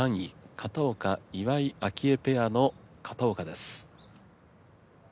片岡・岩井明愛ペアの片岡です。